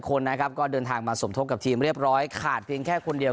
คนนะครับก็เดินทางมาสมทบกับทีมเรียบร้อยขาดเพียงแค่คนเดียว